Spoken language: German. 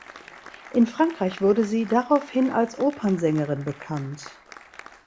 In Frankreich wurde sie daraufhin als Opernsängerin bekannt.